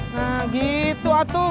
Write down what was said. nah gitu atuh